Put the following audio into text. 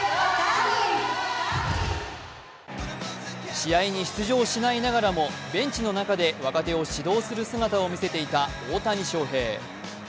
試合に出場しないながらもベンチの中で若手を指導する姿を見せていた大谷翔平。